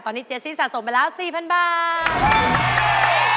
ตอนนี้เจซี่สะสมไปแล้ว๔๐๐๐บาท